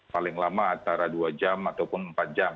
paling lama antara dua jam ataupun empat jam